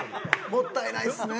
もったいないっすね